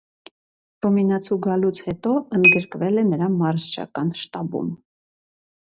Ռումինացու գալուց հետո ընդգրկվել է նրա մարզչական շտաբում։